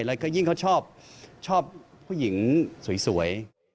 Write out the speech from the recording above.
แล้วก็ยิ่งเขาชอบผู้หญิงสวย